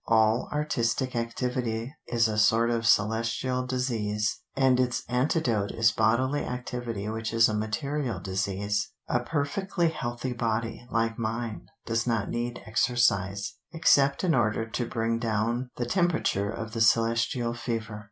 "All artistic activity is a sort of celestial disease, and its antidote is bodily activity which is a material disease. A perfectly healthy body, like mine, does not need exercise, except in order to bring down the temperature of the celestial fever.